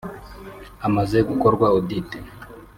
Hamaze gukorwa Audit